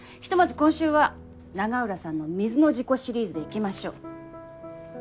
今週は永浦さんの水の事故シリーズでいきましょう。